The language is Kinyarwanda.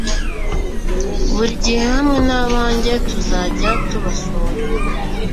burigihe hamwe nabanjye tuzajya tubasura